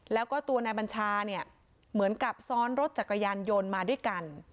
แล้วก็ตัวนายบัญชาเนี่ยเหมือนกับซ้อนรถจักรยานยนต์มาด้วยกัน